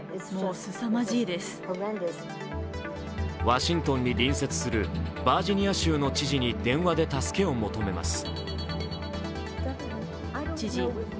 ワシントンに隣接するバージニア州の知事に電話で助けを求めます。